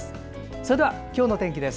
それでは、今日の天気です。